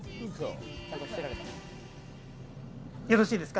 よろしいですか？